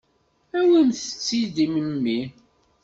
Awimt-tt-id i memmi.